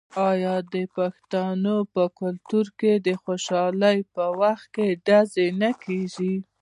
آیا د پښتنو په کلتور کې د خوشحالۍ په وخت ډزې نه کیږي؟